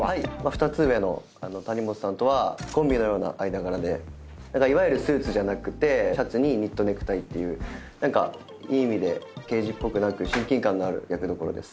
２つ上の谷本さんとはコンビのような間柄でいわゆるスーツじゃなくてシャツにニットネクタイっていういい意味で刑事っぽくなく親近感のある役どころです。